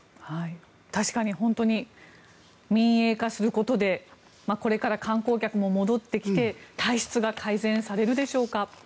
確かに本当に民営化することでこれから観光客も戻ってきて体質が改善されるでしょうか。